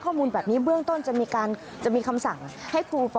ข้อมูลแบบนี้เบื้องต้นจะมีการจะมีคำสั่งให้ครูป